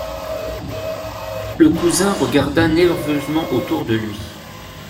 Le cousin regarda nerveusement autour de lui.